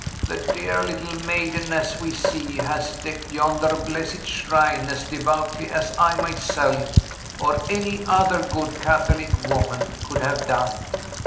"The dear little maiden, as we see, has decked yonder blessed shrine as devoutly as I myself, or any Other good Catholic woman, could have done.